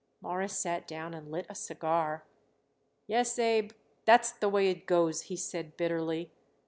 Morris sat down and lit a cigar. "Yes, Abe, that's the way it goes," he said bitterly.